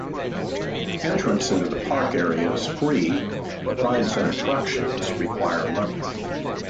Entrance into the park area is free, but rides and attractions require money.